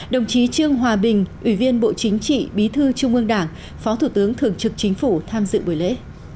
đồng chí trương hòa bình ủy viên bộ chính trị bí thư trung ương đảng phó thủ tướng thường trực chính phủ tham dự buổi lễ